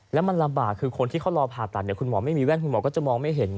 แล้วมันลำบากคือคนที่เขารอผ่าตัดคุณหมอไม่มีแว่นคุณหมอก็จะมองไม่เห็น